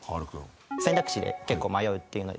選択肢で結構迷うっていうので。